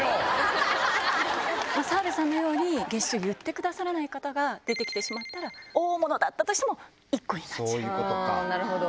澤部さんのように月収言ってくださらない方が出て来てしまったら大物だったとしても１個になっちゃいます。